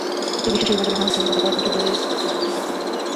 একটি বিশ্ব শিরোপার জন্য হাহাকারের কথা কয়েক বছর ধরে বারবারই বলেছেন দুজন।